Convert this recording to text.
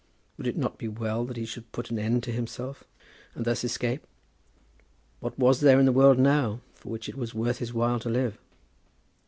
Would it not be well that he should put an end to himself, and thus escape? What was there in the world now for which it was worth his while to live?